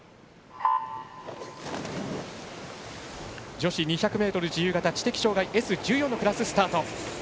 女子２００ｍ自由形知的障がいＳ１４のクラス、スタート。